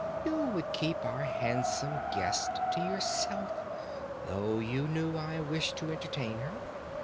"You would keep our handsome guest to yourself, though you knew I wished to entertain her.